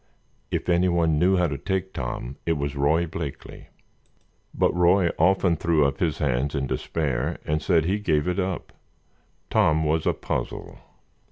If anyone knew how to take Tom it was Roy Blakeley, but Roy often threw up his hands in despair and said he gave it up—Tom was a puzzle.